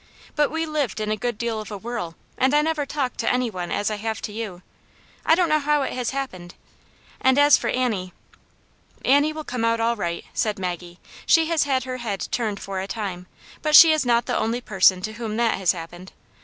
But we lived in a good deal of a whirl, and I never talked to anyone as I have to you ; I don't know how it has happened. And as for Annie —^" "Annie will come out all right," said Maggie. " She has had her head turned for a time, but she is not the only person to whom that has happened.